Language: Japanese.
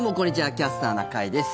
「キャスターな会」です。